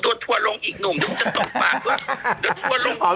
เดี๋ยวหนุ่มจะตกปากว่าเดี๋ยวตัวลงอีก